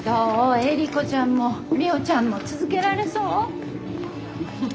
エリコちゃんもミホちゃんも続けられそう？